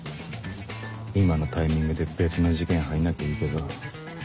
今のタイミングで別の事件入んなきゃいいけど